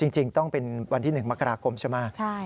จริงต้องเป็นวันที่๑มกราคมใช่ไหม